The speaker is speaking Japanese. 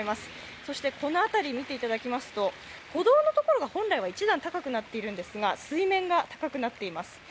そしてこの辺り見ていただきますと歩道の所が本来、１段高くなっているんですが水面が高くなっています。